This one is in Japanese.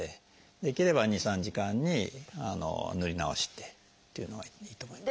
できれば２３時間に塗り直してっていうのがいいと思います。